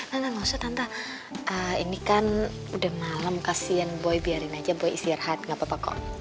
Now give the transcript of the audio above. ana gak usah tante ini kan udah malam kasihan boy biarin aja boy istirahat gak apa apa kok